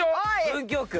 文京区。